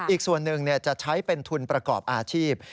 อีกส่วนหนึ่งจะใช้เป็นทุนประกอบอาชีพ